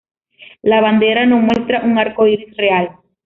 La bandera no muestra un arcoíris real.